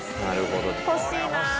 なるほど。